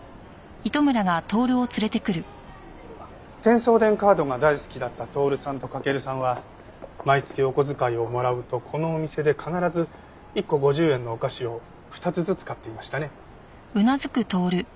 『テンソーデン』カードが大好きだった透さんと駆さんは毎月お小遣いをもらうとこのお店で必ず１個５０円のお菓子を２つずつ買っていましたね。